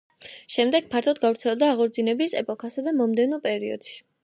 შემდეგ ფართოდ გავრცელდა აღორძინების ეპოქასა და მომდევნო პერიოდში.